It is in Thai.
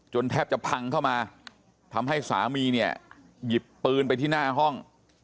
แทบจะพังเข้ามาทำให้สามีเนี่ยหยิบปืนไปที่หน้าห้อง